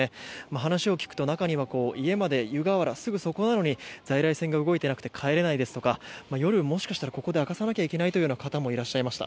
話を聞くと、中には家まで湯河原、すぐそこなのに在来線が動いていなくて帰れないですとか夜、もしかしたらここで明かさなきゃいけないかもという方もいました。